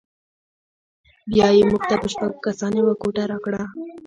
بیا یې موږ ته په شپږو کسانو یوه کوټه راکړه.